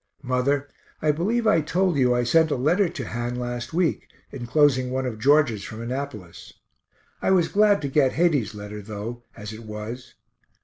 Mother, I believe I told you I sent a letter to Han last week, enclosing one of George's from Annapolis. I was glad to get Heyde's letter, though, as it was.